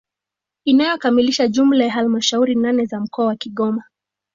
inayokamilisha jumla ya halmashauri nane za mkoa wa Kigoma